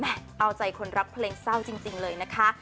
เอาใจคนรักเพลงเศร้าจริงเลยนะคะ